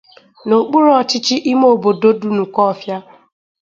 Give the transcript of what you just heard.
n'okpuru ọchịchị ime obodo Dunukọfịa.